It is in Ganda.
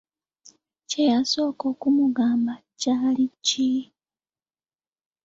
Kye yasooka okumugamba kyali ki?